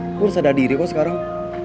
lo harus ada diri kok sekarang